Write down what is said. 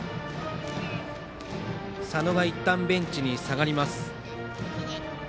佐野がいったんベンチに下がります。